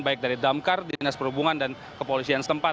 baik dari damkar dinas perhubungan dan kepolisian setempat